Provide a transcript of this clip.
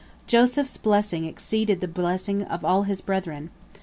" Joseph's blessing exceeded the blessing of all his brethren.